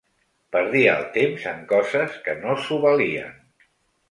Perdia el temps en coses que no s'ho valien.